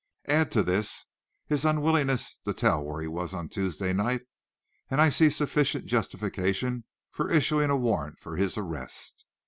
Add to this his unwillingness to tell where he was on Tuesday night, and I see sufficient justification for issuing a warrant for his arrest."